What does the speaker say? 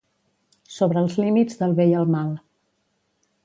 "Sobre els límits del bé i el mal".